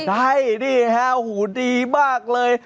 ได้ดีหูดีมากเลย